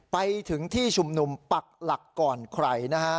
ไปถึงที่ชุมนุมปักหลักก่อนใครนะฮะ